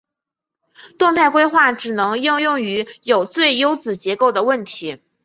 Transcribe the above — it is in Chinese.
动态规划只能应用于有最优子结构的问题。